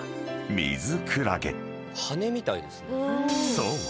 ［そう。